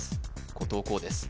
後藤弘です